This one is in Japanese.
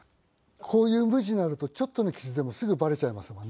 こういう無地になるとちょっとの傷でもすぐバレちゃいますもんね。